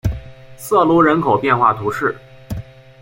瑟卢人口变化图示